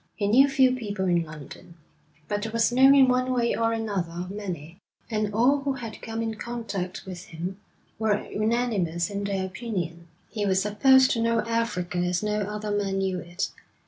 He knew few people in London, but was known in one way or another of many; and all who had come in contact with him were unanimous in their opinion. He was supposed to know Africa as no other man knew it.